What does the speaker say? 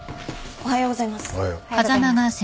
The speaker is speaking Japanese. おはようございます。